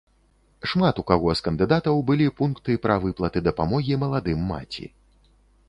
Шмат у каго з кандыдатаў былі пункты пра выплаты дапамогі маладым маці.